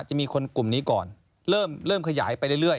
จะมีคนกลุ่มนี้ก่อนเริ่มขยายไปเรื่อย